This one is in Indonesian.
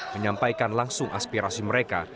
menyampaikan langsung aspirasi mereka